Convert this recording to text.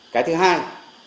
cái thứ hai